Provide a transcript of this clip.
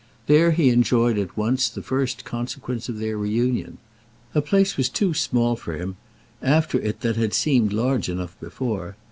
There he enjoyed at once the first consequence of their reunion. A place was too small for him after it that had seemed large enough before.